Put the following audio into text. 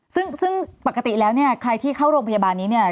ซึ่งปกติแล้วเนี่ยใครที่เข้าโรงพยาบาลนี้เนี่ย